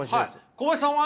小林さんは？